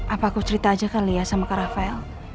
apa aku cerita aja kali ya sama kak rafael